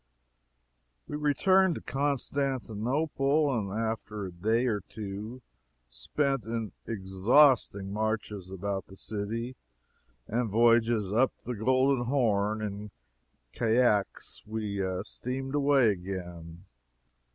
We returned to Constantinople, and after a day or two spent in exhausting marches about the city and voyages up the Golden Horn in caiques, we steamed away again.